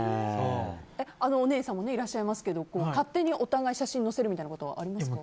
お姉さんもいらっしゃいますけど勝手にお互いの写真を載せるってありますか？